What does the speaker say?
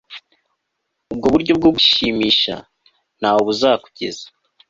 Ubwo buryo bwo gushimisha ntaho buzakugeza